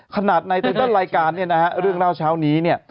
ขนาดในตัวรายการเรื่องราวเช้านี้